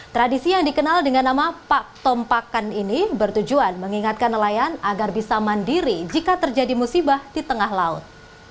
tradisi yang dikenal dengan nama pak tompakan ini bertujuan mengingatkan nelayan agar bisa mandiri jika terjadi musibah di tengah laut